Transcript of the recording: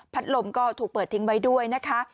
ลมก็ถูกเปิดทิ้งไว้ด้วยนะคะ